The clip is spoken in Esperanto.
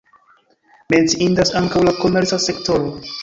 Menciindas ankaŭ la komerca sektoro.